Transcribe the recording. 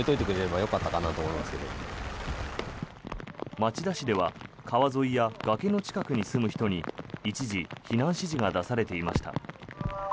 町田市では川沿いや崖の近くに住む人に一時避難指示が出されていました。